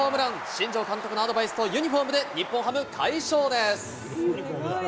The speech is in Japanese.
新庄監督のアドバイスとユニホームで日本ハム、快勝です。